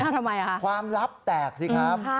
ทำไมคะความลับแตกสิครับ